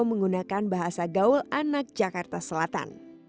menggunakan bahasa gaul anak jakarta selatan